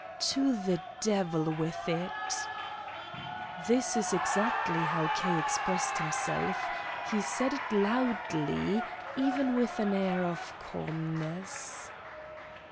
"To the devil with it!" This is exactly how K. expressed himself. He said it loudly, even with an air of calmness.